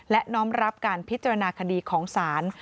และน้อมรับการพิจารณาคดีของศาล